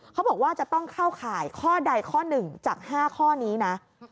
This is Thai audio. เขาบอกว่าจะต้องเข้าข่ายข้อใดข้อ๑จาก๕ข้อนี้นะ